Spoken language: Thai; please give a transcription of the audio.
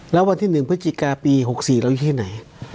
แล้ววันที่๑พฤศจิกายน๑๙๖๔ล้วยุ่ยที่ไหน